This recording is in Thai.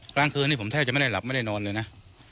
กลางคืนนี้ผมแทบจะไม่ได้หลับไม่ได้นอนเลยนะ